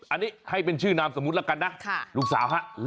อันนี้ให้เป็นชื่อนามสมมุติแล้วกันนะลูกสาวฮะ